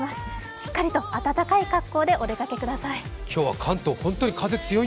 しっかりと温かい格好でお出かけください。